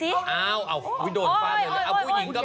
อ๋อเอา๊เว้ยมันมีนโมะ